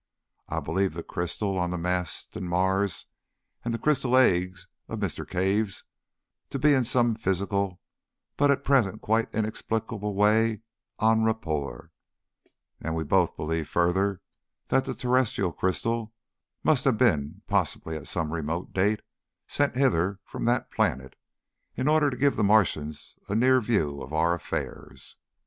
I believe the crystal on the mast in Mars and the crystal egg of Mr. Cave's to be in some physical, but at present quite inexplicable, way en rapport, and we both believe further that the terrestrial crystal must have been possibly at some remote date sent hither from that planet, in order to give the Martians a near view of our affairs.